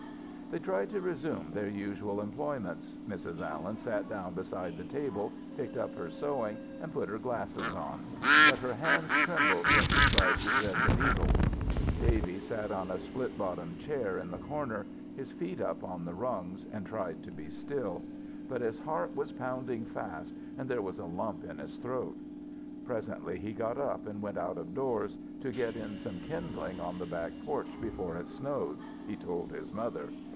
They tried to resume their usual employments. Mrs. Allen sat down beside the table, picked up her sewing and put her glasses on, but her hands trembled when she tried to thread the needle. Davy sat on a split bottom chair in the corner, his feet up on the rungs, and tried to be still; but his heart was pounding fast and there was a lump in his throat. Presently he got up and went out of doors, to get in some kindling on the back porch before it snowed, he told his mother.